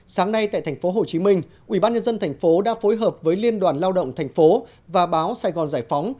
sáng nay tại tp hcm ubnd tp đã phối hợp với liên đoàn lao động tp và báo sài gòn giải phóng